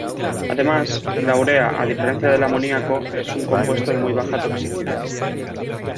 Además, la urea a diferencia del amoníaco es un compuesto de muy baja toxicidad.